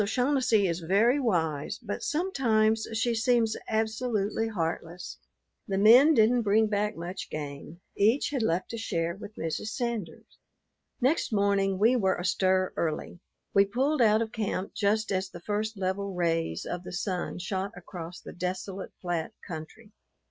Mrs. O'Shaughnessy is very wise, but sometimes she seems absolutely heartless. The men didn't bring back much game; each had left a share with Mrs. Sanders. Next morning we were astir early. We pulled out of camp just as the first level rays of the sun shot across the desolate, flat country.